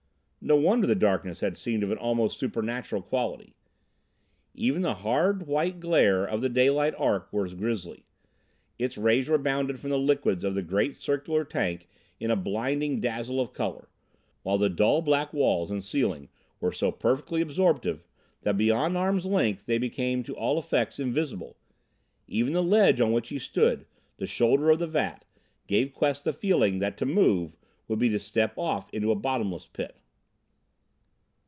No wonder the darkness had seemed of almost supernatural quality! Even the hard white glare of the daylight arc was grisly. Its rays rebounded from the liquids of the great circular tank in a blinding dazzle of color, while the dull black walls and ceiling were so perfectly absorptive that beyond arm's length they became to all effects invisible. Even the ledge on which he stood the shoulder of the vat gave Quest the feeling that to move would be to step off into a bottomless pit.